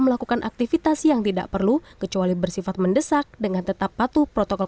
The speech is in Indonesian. melakukan aktivitas yang tidak perlu kecuali bersifat mendesak dengan tetap patuh protokol